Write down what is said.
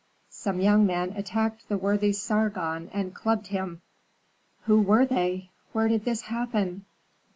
Some young men attacked the worthy Sargon and clubbed him." "Who were they? Where did this happen?"